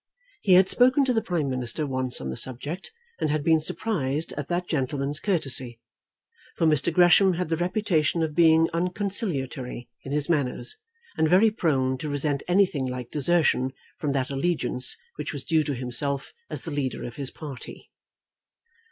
He had spoken to the Prime Minister once on the subject, and had been surprised at that gentleman's courtesy; for Mr. Gresham had the reputation of being unconciliatory in his manners, and very prone to resent anything like desertion from that allegiance which was due to himself as the leader of his party.